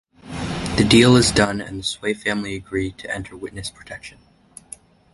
The deal is done and the Sway family agree to enter witness protection.